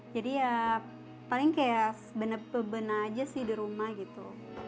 jadi ya paling kayak benar benar aja sih di rumah gitu